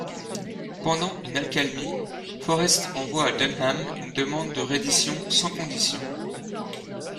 Pendant une accalmie, Forrest envoie à Dunham une demande de reddition sans condition.